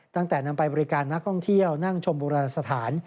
ตั้งแต่นำไปบริการนักท่องเที่ยวนั่งชมโบราณสถาน